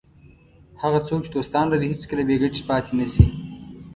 هغه څوک چې دوستان لري هېڅکله بې ګټې پاتې نه شي.